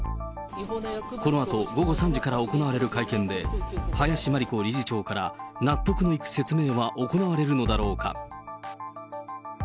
このあと午後３時から行われる会見で、林真理子理事長から納得のいく説明は行われるのだろうか。